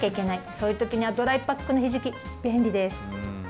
そういうときにはドライパックのひじき、便利です。